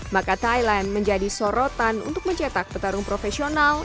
maka thailand menjadi sorotan untuk mencetak petarung profesional